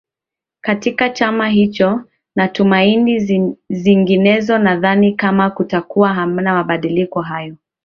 katika chama hicho natumaini zinginezo nadhani kama kutakuwa hamna mabadiliko hayo